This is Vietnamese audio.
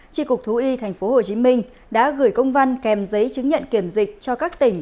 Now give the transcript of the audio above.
tri cục thú y tp hcm đã gửi công văn kèm giấy chứng nhận kiểm dịch cho các tỉnh